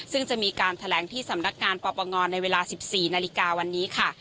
ซึ่งจะมีการแถลงที่สำนักงานปปงในเวลา๑๔นาฬิกาวันนี้ค่ะ